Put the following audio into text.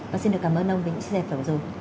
và xin được cảm ơn ông vì những chia sẻ phỏng dụng